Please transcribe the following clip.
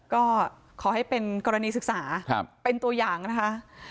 ก็ขอให้เป็นกรณีศึกษาเป็นตัวอย่างนะคะ